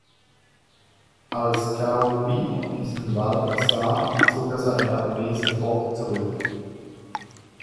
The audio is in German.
Als Cao Pi diesen Wall sah, zog er seine Armee sofort zurück.